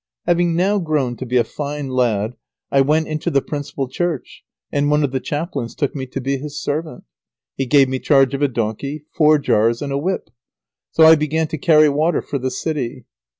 Having now grown to be a fine lad, I went into the principal church, and one of the chaplains took me to be his servant. He gave me charge of a donkey, four jars, and a whip. So I began to carry water for the city.